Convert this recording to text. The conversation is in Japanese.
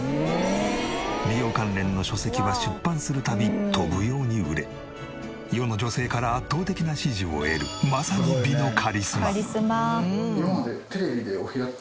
美容関連の書籍は出版する度飛ぶように売れ世の女性から圧倒的な支持を得るまさにええ！